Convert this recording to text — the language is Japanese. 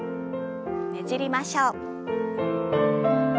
ねじりましょう。